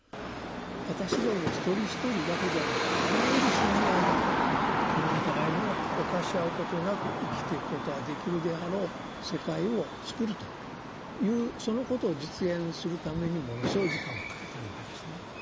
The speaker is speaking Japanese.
私ども一人一人だけではなくてあらゆる存在がお互いに侵し合うことなく生きていくことができるであろう世界をつくるというそのことを実現するためにものすごい時間をかけているわけですね。